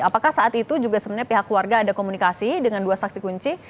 apakah saat itu juga sebenarnya pihak keluarga ada komunikasi dengan dua saksi kunci